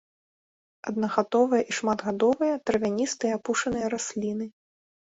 Аднагадовыя і шматгадовыя травяністыя апушаныя расліны.